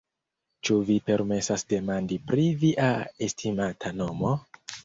Ĉu vi permesas demandi pri via estimata nomo?